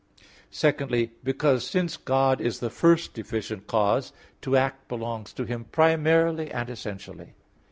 Secondly, because, since God is the first efficient cause, to act belongs to Him primarily and essentially.